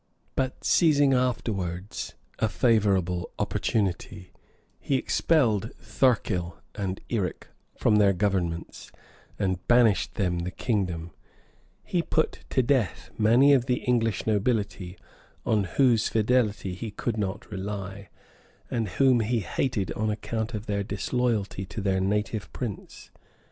But seizing afterwards a favorable opportunity, he expelled Thurkill and Yric from their governments, and banished them the kingdom; he put to death many of the English nobility, on whose fidelity he could not rely, and whom he hated on account of their disloyalty to their native prince.